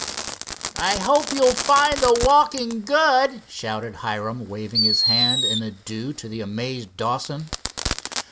"I hope you'll find the walking good!" shouted Hiram, waving his hand in adieu to the amazed Dawson.